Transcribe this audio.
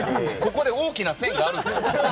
ここで大きな線があるんだよ！